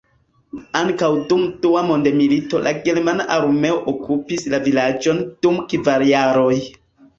Ankaŭ dum dua mondmilito la ĝermana armeo okupis la vilaĝon dum kvar jaroj.